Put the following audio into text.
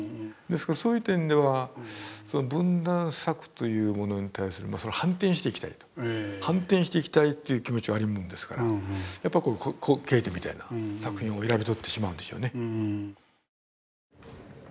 ですからそういう点では分断策というものに対するそれを反転していきたいと反転していきたいという気持ちがあるものですからやっぱりケーテみたいな作品を選び取ってしまうんでしょうね。